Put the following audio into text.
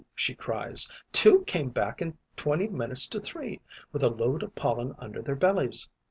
she cries. 'Two came back at twenty minutes to three, with a load of pollen under their bellies!'